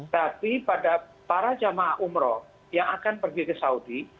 tapi pada para jemaah umroh yang akan pergi ke saudi